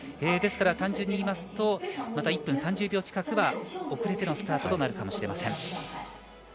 単純に言いますと１分３０秒近くは遅れてのスタートとなるかもしれません。